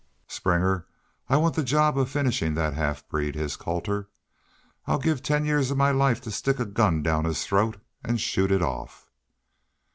"Springer, I want the job of finishin' that half breed," hissed Colter. "I'd give ten years of my life to stick a gun down his throat an' shoot it off."